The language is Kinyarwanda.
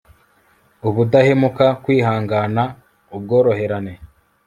ubudahemuka, kwihangana, ubworoherane